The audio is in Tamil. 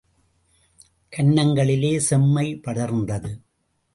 கன்னங்களிலே செம்மை படர்ந்தது.